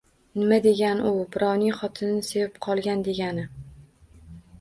Nima degani u, birovning xotinini sevib qolgan degani